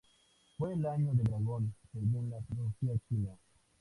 Fue el año del dragón según la astrología china.